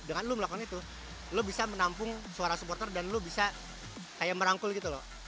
dengan lo melakukan itu lo bisa menampung suara supporter dan lo bisa kayak merangkul gitu loh